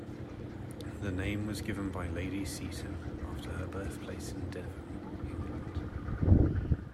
The name was given by Lady Seaton after her birthplace in Devon, England.